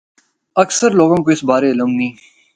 اکثر لوگاں کو اس بارے علم نیں۔